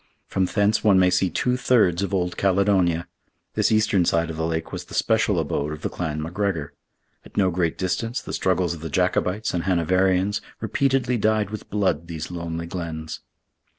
From thence one may see two thirds of old Caledonia. This eastern side of the lake was the special abode of the clan McGregor. At no great distance, the struggles of the Jacobites and Hanoverians repeatedly dyed with blood these lonely glens.